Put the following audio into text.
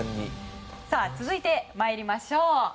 続いて、参りましょう。